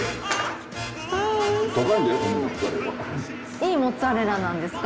いいモッツァレラなんですか？